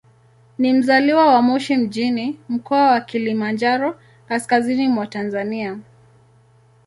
Ni mzaliwa wa Moshi mjini, Mkoa wa Kilimanjaro, kaskazini mwa Tanzania.